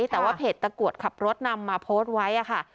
แต่ว่าเพจตะกรวดขับรถนำมาโพสต์ไว้ค่ะ